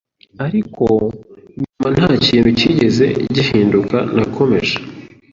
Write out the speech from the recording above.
ariko inyuma nta kintu cyigeze gihinduka nakomeje